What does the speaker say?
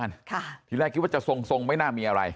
ทีแรกคิดว่าจะทรงทรงไม่น่ามีอะไร